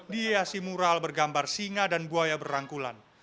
dihiasi mural bergambar singa dan buaya berangkulan